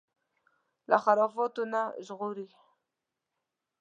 له خرافاتو نه ژغوري